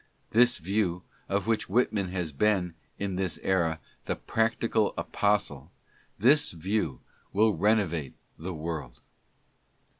This view, of which Whitman has been, in this era, the practical apostle — this view will renovate the world.